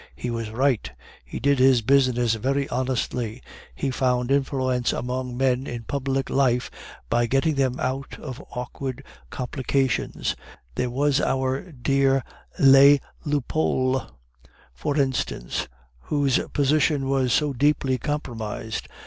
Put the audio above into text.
He was right; he did his business very honestly. He found influence among men in public life by getting them out of awkward complications; there was our dear les Lupeaulx, for instance, whose position was so deeply compromised.